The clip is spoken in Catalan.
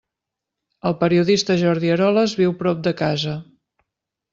El periodista Jordi Eroles viu prop de casa.